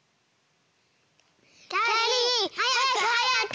きゃりーはやくはやく！